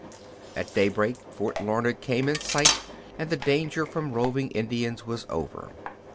At daybreak Fort Larned came in sight and the danger from roving Indians was over.